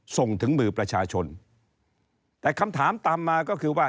ส่งถึงมือประชาชนแต่คำถามตามมาก็คือว่า